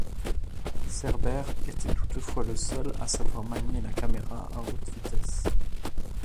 Serber était toutefois le seul à savoir manier la caméra à haute vitesse.